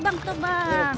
ya makasih bang